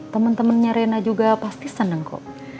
temen temennya rena juga pasti seneng kok